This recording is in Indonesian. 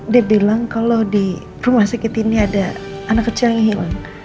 dia bilang kalau di rumah sakit ini ada anak kecil yang hilang